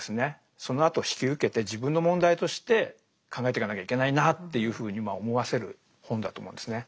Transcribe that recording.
そのあとを引き受けて自分の問題として考えていかなきゃいけないなっていうふうに思わせる本だと思うんですね。